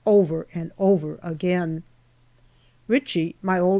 over and over again. Ritchie, my old H.